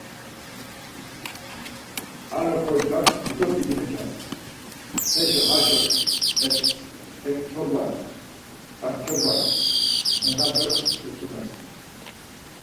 Ar oxorcak dido p̌ici me-çams, heşo haşo ektoba, kançoba nenape utzumels.